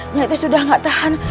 nyakitnya sudah gak tahan